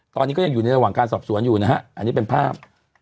ตอนนี้ก็ยังอยู่ในระหว่างการสอบสวนอยู่นะฮะอันนี้เป็นภาพ